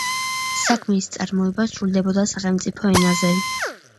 საქმის წარმოება სრულდებოდა სახელმწიფო ენაზე.